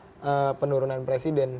ini tidak terkait dengan penurunan presiden